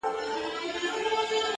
• ویل زما پر وینا غوږ نیسۍ مرغانو ,